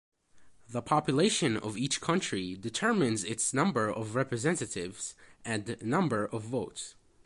The population of each country determines its number of representatives and number of votes.